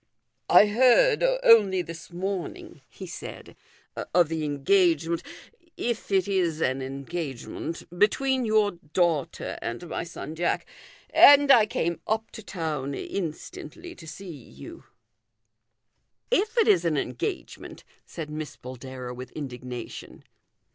" I heard only this morning," he said, " of the engagement if it is an engagement between your daughter and my son Jack : and I came up to town instantly to see you." THE GOLDEN RULE. 299 " If it is an engagement !" said Miss Boldero with indignation.